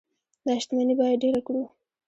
دا شتمني باید ډیره کړو.